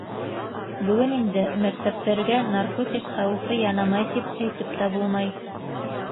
Бөгөн инде мәктәптәргә наркотик хәүефе янамай, тип әйтеп тә булмай.